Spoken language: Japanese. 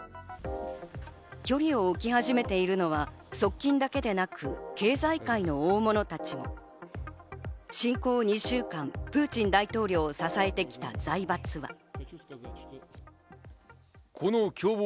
距離を置き始めているのは側近だけでなく、経済界の大物たちも、侵攻２週間、プーチン大統領を支えてきた財閥は。